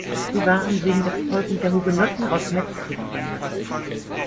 Sie waren wegen der Verfolgung der Hugenotten aus Metz zugewandert.